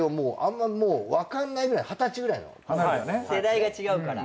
世代が違うから。